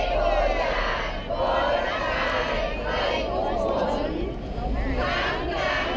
น้ำน้ำเหลืออีสาน